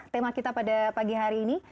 tema kita pada pagi hari ini